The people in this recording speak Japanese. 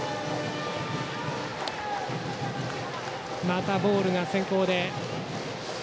またボールが先行です。